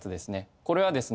これはですね